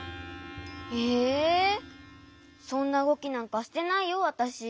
えそんなうごきなんかしてないよわたし。